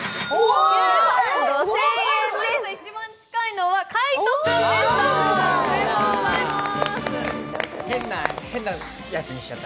一番近いのは海音君でした。おめでとうございます。